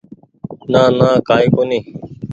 نانا ڪآئي ڪونيٚ